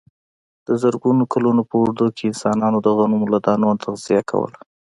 د زرګونو کلونو په اوږدو کې انسانانو د غنمو له دانو تغذیه کوله.